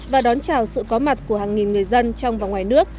và đón chào sự có mặt của hàng nghìn người dân trong và ngoài nước